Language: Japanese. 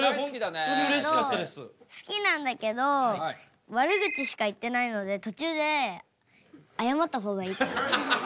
えっと好きなんだけどわる口しか言ってないので途中であやまった方がいいと思う。